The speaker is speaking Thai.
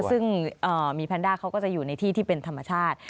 ซึ่งมีแพนด้าเขาก็จะอยู่ในที่ที่เป็นธรรมชาติ